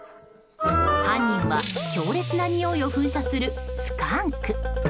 犯人は強烈なにおいを噴射するスカンク。